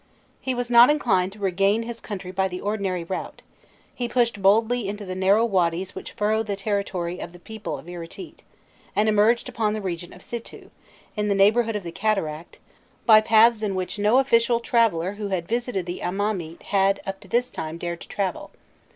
He was not inclined to regain his country by the ordinary route: he pushed boldly into the narrow wadys which furrow the territory of the people of Iritît, and emerged upon the region of Situ, in the neighbourhood of the cataract, by paths in which no official traveller who had visited the Amamît had up to this time dared to travel.